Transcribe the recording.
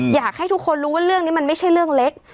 อยากให้ทุกคนรู้ว่าเรื่องนี้มันไม่ใช่เรื่องเล็ก